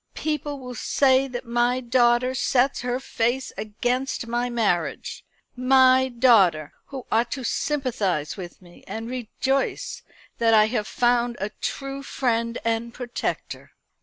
"People will say that my daughter sets her face against my marriage my daughter, who ought to sympathise with me, and rejoice that I have found a true friend and protector."